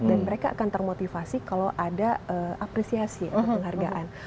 dan mereka akan termotivasi kalau ada apresiasi atau penghargaan